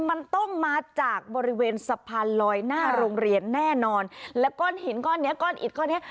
มันต้องมาจากบริเวณสะพานลอยหน้าโรงเรียนแน่นอนแล้วก้อนหินก้อนเนี้ยก้อนอิดก้อนเนี้ย